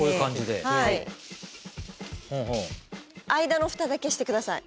間のフタだけして下さい。